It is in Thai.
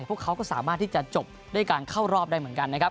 พวกเขาก็สามารถที่จะจบด้วยการเข้ารอบได้เหมือนกันนะครับ